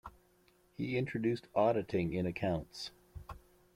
He introduced auditing in accounts.